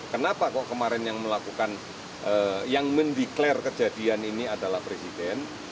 kenapa kok kemarin yang melakukan yang mendeklarasi kejadian ini adalah presiden